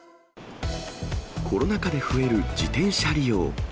コロナ禍で増える自転車利用。